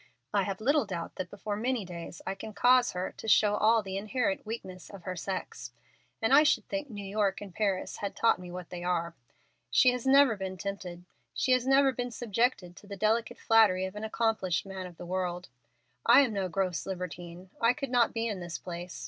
I have little doubt that before many days I can cause her to show all the inherent weaknesses of her sex; and I should think New York and Paris had taught me what they are. She has never been tempted. She has never been subjected to the delicate flattery of an accomplished man of the world. I am no gross libertine. I could not be in this place.